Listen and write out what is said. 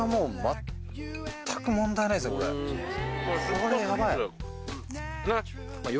これヤバい。